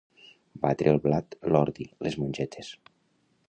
Batre el blat, l'ordi, les mongetes.